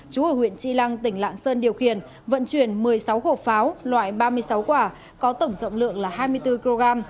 chú ở huyện tri lăng tỉnh lạng sơn điều khiển vận chuyển một mươi sáu hộp pháo loại ba mươi sáu quả có tổng trọng lượng là hai mươi bốn kg